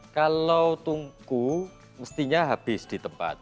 kalau tungku mestinya habis di tempat